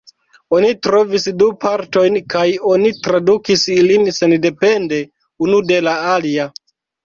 Oni trovis du partojn kaj oni tradukis ilin sendepende unu de la alia.